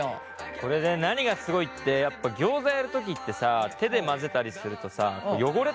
これね何がすごいってやっぱギョーザやる時ってさ手で混ぜたりするとさ汚れたりするじゃない？